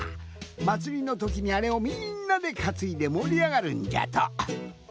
まつりのときにあれをみんなでかついでもりあがるんじゃと。